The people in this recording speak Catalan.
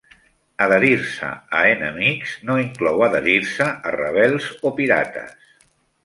Adherir-se a "enemics" no inclou adherir-se a rebels o pirates.